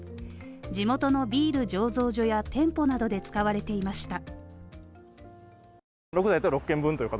地元のビール醸造所や店舗などで使われていました。